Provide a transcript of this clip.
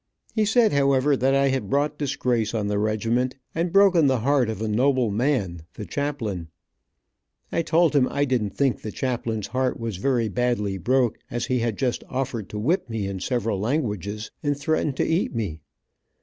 He said, however, that I had brought disgrace on the regiment, and broken the heart of a noble man, the chaplain. I told him I didn't think the chaplain's heart was very badly broke, as he had just ottered to whip me in several languages, and threatened to eat me.